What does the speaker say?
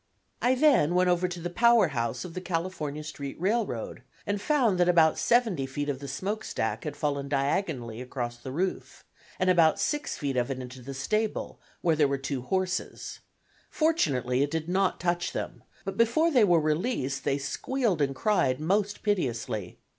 I then went over to the power house of the California Street Railroad and found that about seventy feet of the smoke stack had fallen diagonally across the roof, and about six feet of it into the stable, where were two horses; fortunately it did not touch them, but before they were released they squealed and cried, most piteously.